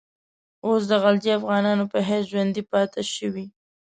اوس د غلجي افغانانو په حیث ژوندی پاته شوی.